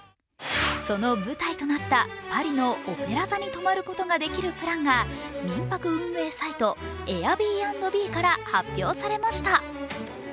その舞台となったパリのオペラ座に泊まることができるプランが民泊運営サイト、Ａｉｒｂｎｂから発表されました。